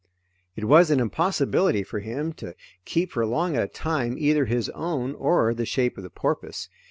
It was an impossibility for him to keep for long at a time, either his own, or the shape of the porpoise.